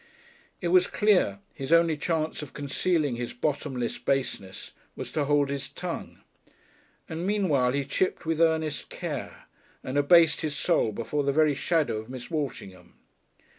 It was clear his only chance of concealing his bottomless baseness was to hold his tongue, and meanwhile he chipped with earnest care, and abased his soul before the very shadow of Miss Walshingham.